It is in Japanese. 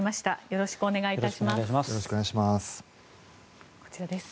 よろしくお願いします。